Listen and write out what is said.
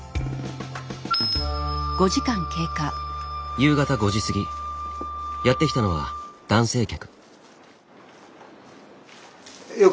夕方５時過ぎやって来たのは男性客。